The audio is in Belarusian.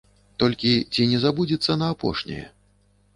Толькі ці не забудзецца на апошняе?